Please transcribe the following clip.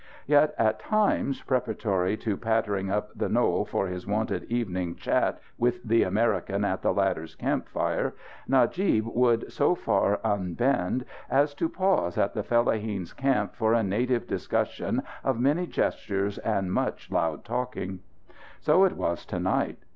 Yet, at times, preparatory to pattering up the knoll for his wonted evening chat with the American at the latter's campfire, Najib would so far unbend as to pause at the fellaheen's camp for a native discussion of many gestures and much loud talking. So it was to night.